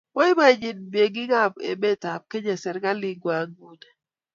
boibochini meng'ikab emetab Kenya serikaling'wang' nguni